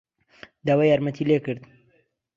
داوای یارمەتیی لێ کرد.